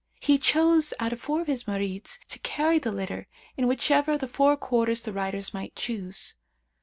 He chose out four of his Marids to carry the litter in whichever of the four quarters the riders might choose.